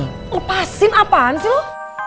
lepasin apaan sih lo